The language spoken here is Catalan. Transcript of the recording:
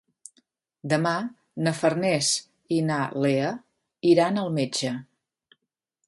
Demà na Farners i na Lea iran al metge.